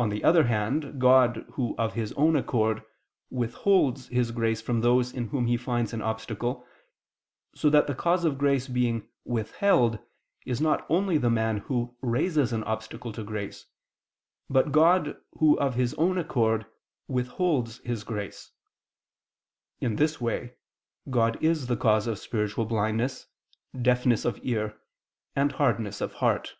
On the other hand, God, of His own accord, withholds His grace from those in whom He finds an obstacle: so that the cause of grace being withheld is not only the man who raises an obstacle to grace; but God, Who, of His own accord, withholds His grace. In this way, God is the cause of spiritual blindness, deafness of ear, and hardness of heart.